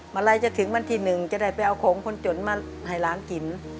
เมื่อจะถึงวันที่หนึ่งจะได้ไปเอาโครงผลจนมาหายหลางกิน